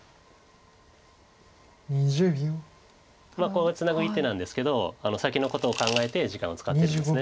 ここはツナぐ一手なんですけど先のことを考えて時間を使ってるんです。